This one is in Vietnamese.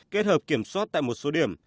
kết hợp kiểm soát tại một số điểm